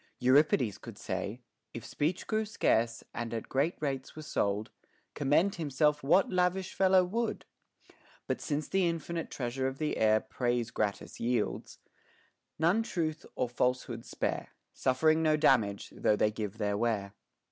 Euripides could say, If speech grew scarce, and at great rates were sold, Commend himself what lavish fellow would ? But since the infinite treasure of the air Praise gratis yields, none truth or falsehood spare ; Suffering no damage, though they give their ware.